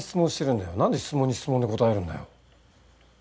何で質問に質問で答えるんだよ。